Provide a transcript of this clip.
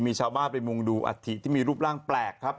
มีชาวบ้านไปมุงดูอัฐิที่มีรูปร่างแปลกครับ